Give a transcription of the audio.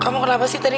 kamu kenapa sih